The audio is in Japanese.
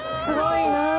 すごいな。